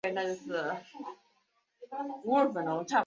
台湾菱瘤蝽为猎蝽科菱瘤蝽属下的一个种。